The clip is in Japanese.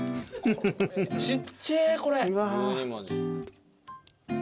ちっちぇえこれ。